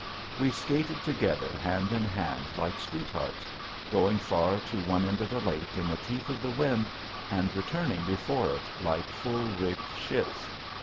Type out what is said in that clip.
We skated together hand in hand like sweethearts; going far to one end of the lake in the teeth of the wind and returning before it like full rigged ships.